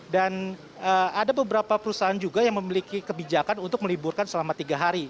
dan ada beberapa perusahaan juga yang memiliki kebijakan untuk meliburkan selama tiga hari